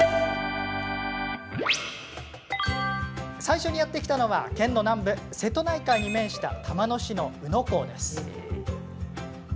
最初にやって来たのは、県の南部瀬戸内海に面した玉野市の宇野港です。